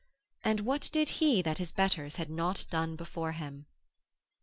And what did he that his betters had not done before him?